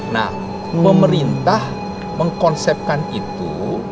nah pemerintah mengkonsepkan itu